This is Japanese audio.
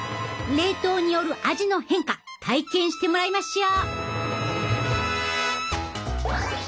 冷凍による味の変化体験してもらいましょ。